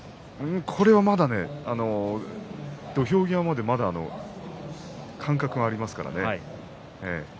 これはまだね土俵際までまだ間隔はありますからね。